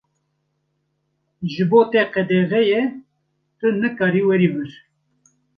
Ji bo te qedexe ye, tu nikarî werî vir.